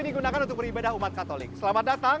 dibangun pada awal abad sembilan belas